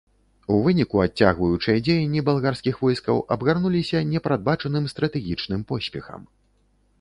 У выніку адцягваючыя дзеянні балгарскіх войскаў абгарнуліся непрадбачаным стратэгічным поспехам.